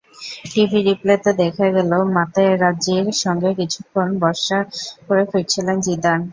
TV রিপ্লেতে দেখা গেল, মাতেরাজ্জির সঙ্গে কিছুক্ষণ বচসা করে ফিরছিলেন জিদান।